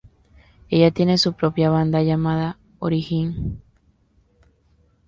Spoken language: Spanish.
Ella tiene su propia banda llamada Origin.